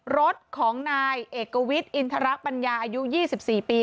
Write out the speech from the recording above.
รถของนายเอกวิทย์อินทรปัญญาอายุ๒๔ปี